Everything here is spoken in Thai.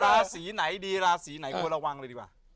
ราศีไหนดีราศีไหนควรระวังเลยดีกว่า